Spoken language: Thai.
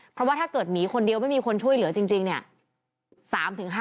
เพราะว่าถ้าเกิดหนีคนเดียวไม่มีคนช่วยเหลือจริงเนี่ย